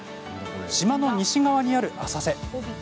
島の西側にある浅瀬。